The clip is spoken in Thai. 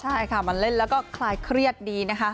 ใช่ค่ะมันเล่นแล้วก็คลายเครียดดีนะคะ